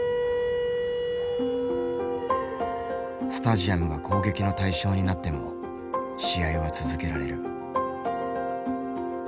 スタジアムが攻撃の対象になっても試合は続けられる。